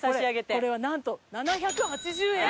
これはなんと７８０円です。